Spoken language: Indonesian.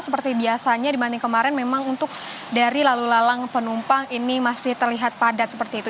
seperti biasanya dibanding kemarin memang untuk dari lalu lalang penumpang ini masih terlihat padat seperti itu